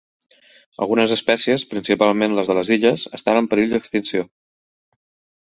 Algunes espècies, principalment les de les illes, estan en perill d'extinció.